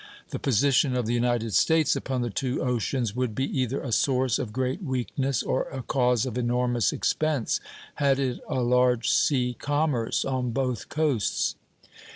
The position of the United States upon the two oceans would be either a source of great weakness or a cause of enormous expense, had it a large sea commerce on both coasts.